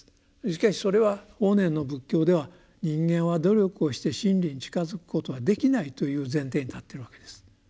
しかしそれは法然の仏教では人間は努力をして真理に近づくことはできないという前提に立ってるわけです。